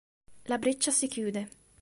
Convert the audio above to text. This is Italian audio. La breccia si chiude.